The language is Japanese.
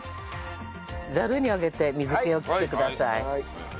ざるにあげて水気を切ってください。